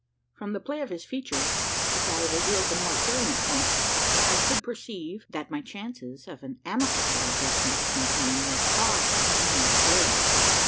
From the play of his features, as I revealed the more salient points, I could perceive that my chances of an amicable adjustment of my claim were far from being brilliant.